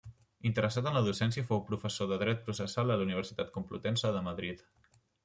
Interessat en la docència fou professor de dret processal a la Universitat Complutense de Madrid.